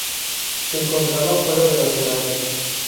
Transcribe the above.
Se encontraba fuera de las murallas.